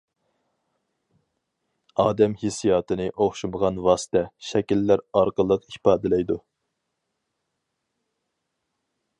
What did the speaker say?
ئادەم ھېسسىياتىنى ئوخشىمىغان ۋاسىتە، شەكىللەر ئارقىلىق ئىپادىلەيدۇ.